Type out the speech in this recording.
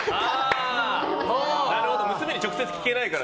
なるほど娘に直接聞けないから。